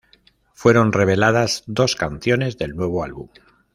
Fueron reveladas dos canciones del nuevo álbum.